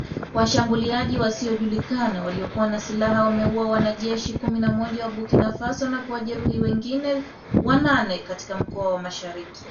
Washambuliaji wasiojulikana waliokuwa na silaha wamewaua wanajeshi kumi na moja wa Burkina Faso na kuwajeruhi wengine wanane katika mkoa wa mashariki